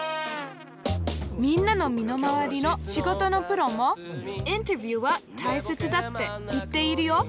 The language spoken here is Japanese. みんなの身の回りの仕事のプロもインタビューはたいせつだって言っているよ。